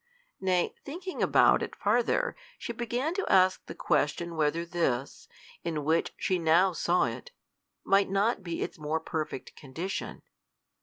Nay, thinking about it farther, she began to ask the question whether this, in which she now saw it, might not be its more perfect condition.